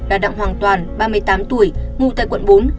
đã đặng hoàn toàn ba mươi tám tuổi ngủ tại quận bốn